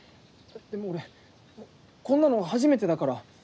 でも俺こんなの初めてだから。